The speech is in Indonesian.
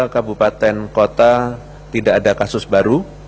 lima puluh dua kabupaten kota tidak ada kasus baru